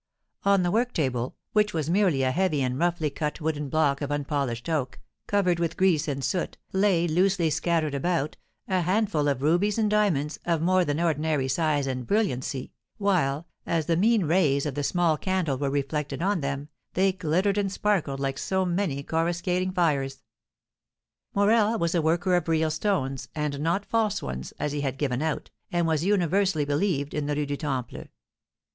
On the work table, which was merely a heavy and roughly cut wooden block of unpolished oak, covered with grease and soot, lay, loosely scattered about, a handful of rubies and diamonds, of more than ordinary size and brilliancy, while, as the mean rays of the small candle were reflected on them, they glittered and sparkled like so many coruscating fires. Morel was a worker of real stones, and not false ones, as he had given out, and as was universally believed, in the Rue du Temple.